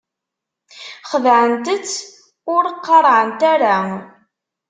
Xedɛent-tt ur qarɛent ara.